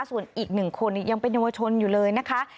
ส่วนอีก๑คนยังเป็นเยาวชนอยู่เลยนะคะ